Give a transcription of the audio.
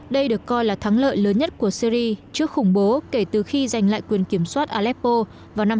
đây được coi là thắng lợi lớn nhất của syri trước khủng bố kể từ khi giành lại quyền kiểm soát aleppo vào năm hai nghìn một mươi